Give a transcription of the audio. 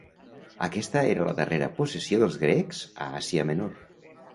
Aquesta era la darrera possessió dels grecs a Àsia Menor.